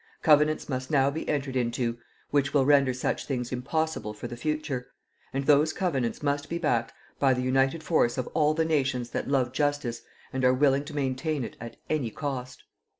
Covenants must now be entered into which will render such things impossible for the future; and those covenants must be backed by the united force of all the nations that love justice and are willing to maintain it at any cost.